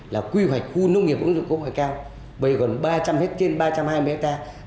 là quy hoạch khu nông nghiệp ứng dụng công nghệ cao bởi gần ba trăm linh hết trên ba trăm hai mươi hectare